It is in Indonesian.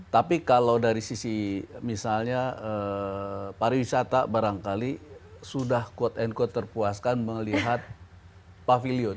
tapi kalau dari sisi misalnya pariwisata barangkali sudah quote unquote terpuaskan melihat pavilion